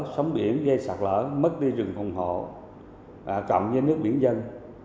sống biển gây sạt lở mất đi rừng phùng hộ cộng với nước biển dân